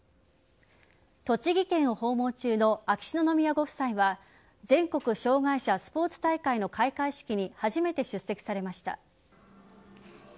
栃木県を訪問中の秋篠宮ご夫妻は全国障害者スポーツ大会の開会式に初めて出席されました。